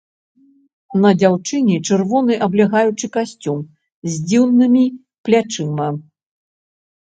На дзяўчыне чырвоны аблягаючы касцюм з дзіўнымі плячыма.